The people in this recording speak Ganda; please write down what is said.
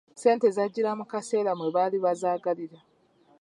Ssente zajjira mu kaseera mwe baali bazaagalira .